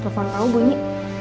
telepon tau bunyi